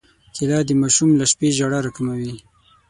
کېله د ماشوم له شپې ژړا راکموي.